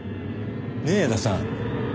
ねえ江田さん。